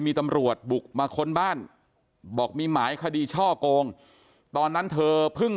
มีตำรวจบุกมาค้นบ้านบอกมีหมายคดีช่อโกงตอนนั้นเธอเพิ่ง